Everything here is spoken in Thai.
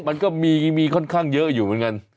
มันก็มีค่อนข้างเยอะอยู่เหมือนกัน